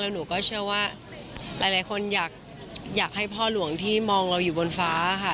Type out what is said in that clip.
หนูก็เชื่อว่าหลายคนอยากให้พ่อหลวงที่มองเราอยู่บนฟ้าค่ะ